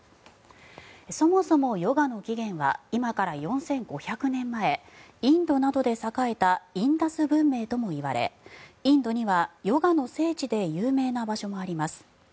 そもそもヨガの起源は今から４５００年前インドなどで栄えたインダス文明ともいわれインドにはヨガの聖地で有名な場所もあります。